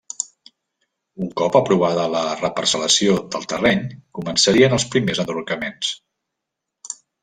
Un cop aprovada la reparcel·lació del terreny començarien els primers enderrocaments.